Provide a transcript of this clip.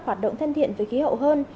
hoạt động thân thiện với khí hậu hơn